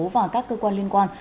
và các cơ quan liên quan